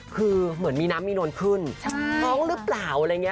คือเหมือนมีน้ำมีนวลขึ้นท้องหรือเปล่าอะไรอย่างนี้